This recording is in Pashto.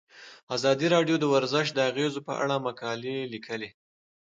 ازادي راډیو د ورزش د اغیزو په اړه مقالو لیکلي.